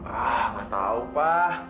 ah gak tau pa